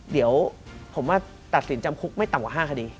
เดี๋ยวผมว่าตัดสินจำคุกไม่ต่ำกว่า๕คดี